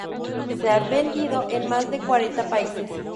Se ha vendido en más de cuarenta países.